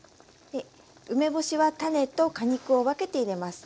梅干しは種と果肉を分けて入れます。